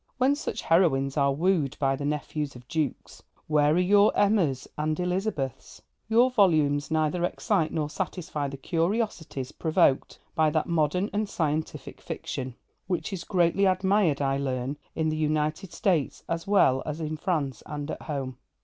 When such heroines are wooed by the nephews of Dukes, where are your Emmas and Elizabeths? Your volumes neither excite nor satisfy the curiosities provoked by that modern and scientific fiction, which is greatly admired, I learn, in the United States, as well as in France and at home.